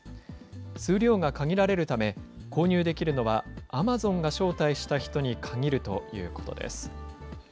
数量が限られるため、購入できるのはアマゾンが招待した人に限るということです。